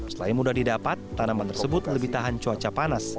selain mudah didapat tanaman tersebut lebih tahan cuaca panas